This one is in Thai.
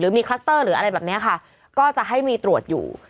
มีคลัสเตอร์หรืออะไรแบบนี้ค่ะก็จะให้มีตรวจอยู่